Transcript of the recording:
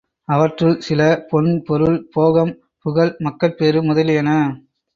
அவற்றுள் சில பொன், பொருள், போகம், புகழ், மக்கட்பேறு முதலியன.